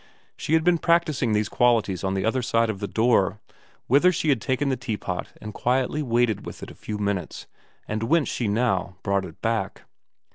She had been practis ing these qualities on the other side of the door, whither she had taken the teapot and quietly waited with it a few minutes, and whence she now brought it back.